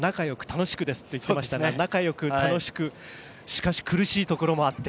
楽しくですと言ってましたが仲よく楽しくしかし苦しいところもあって。